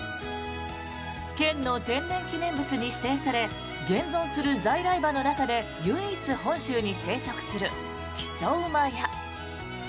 県の天然記念物に指定され現存する在来馬の中で唯一、本州に生息する木曽馬や。